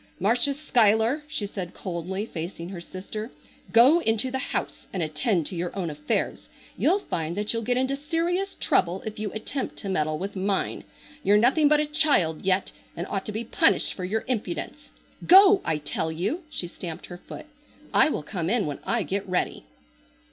"Marcia Schuyler," she said coldly, facing her sister, "go into the house and attend to your own affairs. You'll find that you'll get into serious trouble if you attempt to meddle with mine. You're nothing but a child yet and ought to be punished for your impudence. Go! I tell you!" she stamped her foot, "I will come in when I get ready."